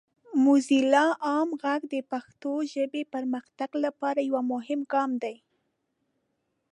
موزیلا عام غږ د پښتو ژبې پرمختګ لپاره یو مهم ګام دی.